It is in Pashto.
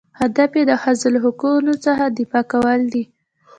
هدف یې د ښځو له حقوقو څخه دفاع کول دي.